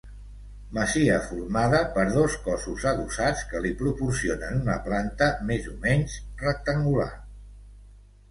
Masia formada per dos cossos adossats que li proporcionen una planta més o menys rectangular.